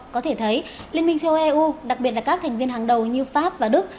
có thể thấy liên minh châu âu đặc biệt là các thành viên hàng đầu như pháp và đức